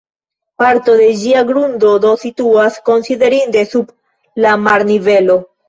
Parto de ĝia grundo do situas konsiderinde sub la marnivelo.